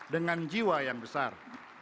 dengan jiwa yang besar